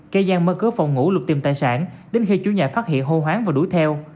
cây gian mất cửa phòng ngủ lục tìm tài sản đến khi chú nhà phát hiện hô hoáng và đuổi theo